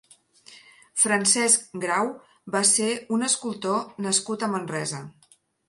Francesc Grau va ser un escultor nascut a Manresa.